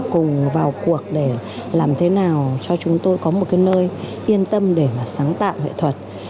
cùng vào cuộc để làm thế nào cho chúng tôi có một nơi yên tâm để sáng tạo hệ thuật